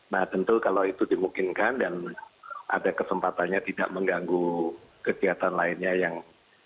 nah tentu kalau itu dimungkinkan dan ada kesempatannya tidak mengganggu kegiatan lainnya yang